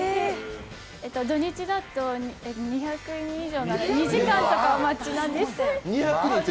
土日だと２００人以上並んで２時間とかお待ちなんです。